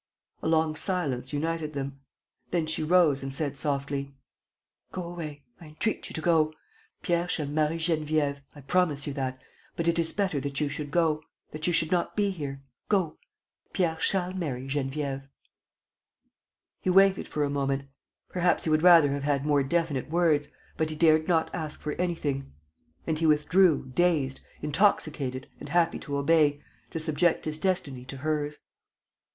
... A long silence united them. Then she rose and said, softly: "Go away, I entreat you to go. ... Pierre shall marry Geneviève, I promise you that, but it is better that you should go ... that you should not be here. ... Go. Pierre shall marry Geneviève." He waited for a moment. Perhaps he would rather have had more definite words, but he dared not ask for anything. And he withdrew, dazed, intoxicated and happy to obey, to subject his destiny to hers!